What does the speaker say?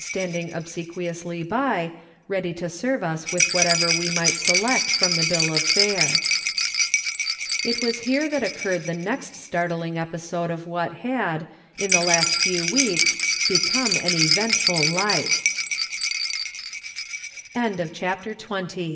standing obsequiously by, ready to serve us with whatever we might select from the bill of fare. It was here that occurred the next startling epi sode of what had, in the last few weeks, become au even